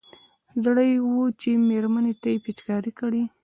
زړه يې و چې مېرمنې ته يې پېچکاري کړي.